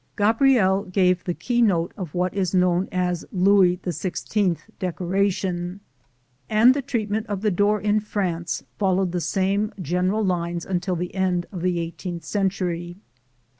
Gabriel gave the key note of what is known as Louis XVI decoration, and the treatment of the door in France followed the same general lines until the end of the eighteenth century.